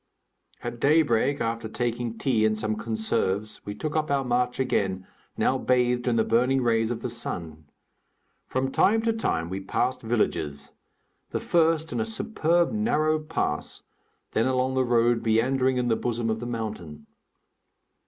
At daybreak, after taking tea and some conserves, we took up our march again, now bathed in the burning rays of the sun. From time to time, we passed villages; the first in a superb narrow pass, then along the road meandering in the bosom of the mountain.